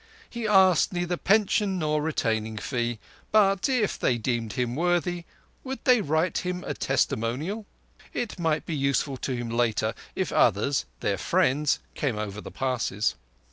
He asked neither pension nor retaining fee, but, if they deemed him worthy, would they write him a testimonial? It might be useful to him later, if others, their friends, came over the Passes.